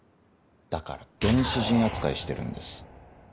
だから原始人扱いしてるんです。